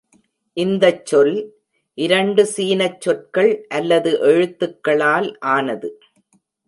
இந்தச் சொல் இரண்டு சீனச் சொற்கள் அல்லது எழுத்துகளால் ஆனது.